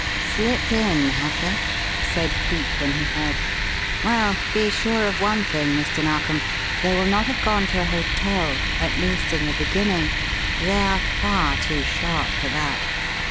"Slipped in, have they?" said Cleek when he heard. "Well, be sure of one thing, Mr. Narkom: they will not have gone to a hotel at least in the beginning they are far too sharp for that.